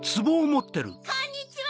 こんにちは！